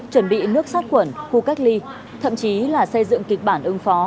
chuẩn bị nước sát quẩn khu cách ly thậm chí là xây dựng kịch bản ứng phó